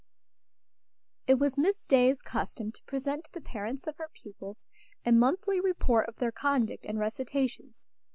It was Miss Day's custom to present to the parents of her pupils a monthly report of their conduct and recitations.